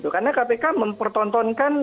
karena kpk mempertontonkan